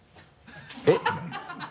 えっ？